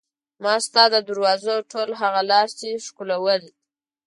ما ستا د دروازو ټول هغه لاستي ښکلول.